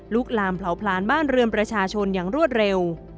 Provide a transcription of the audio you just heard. ลามเผาผลาญบ้านเรือนประชาชนอย่างรวดเร็ว